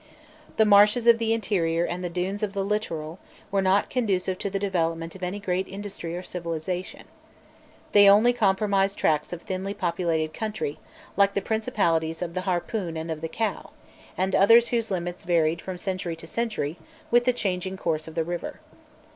The marshes of the interior and the dunes of the littoral, were not conducive to the development of any great industry or civilization. They only comprised tracts of thinly populated country, like the principalities of the Harpoon and of the Cow, and others whose limits varied from century to century with the changing course of the river.